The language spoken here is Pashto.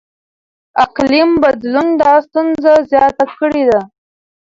اقلیم بدلون دا ستونزه زیاته کړې ده.